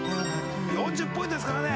４０ポイントですからね。